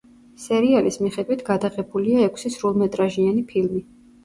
სერიალის მიხედვით გადაღებულია ექვსი სრულმეტრაჟიანი ფილმი.